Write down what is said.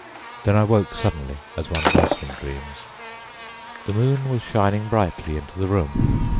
Then I woke suddenly as one does from dreams. The moon was shining brightly into the room.